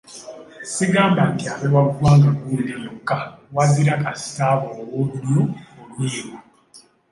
Sigamba nti abe wa ggwanga gundi lyokka, wazira kasita aba ow'olulyo olweru.